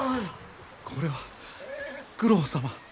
これは九郎様。